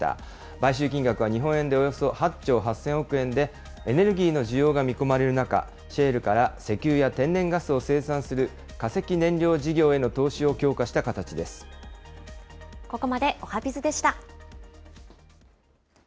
買収金額は日本円でおよそ８兆８０００億円で、エネルギーの需要が見込まれる中、シェールから石油や天然ガスを生産する化石燃料事業への投資を強ここまでおはＢｉｚでした。